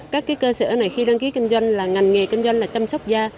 các cơ sở này khi đăng ký kinh doanh là ngành nghề kinh doanh là chăm sóc da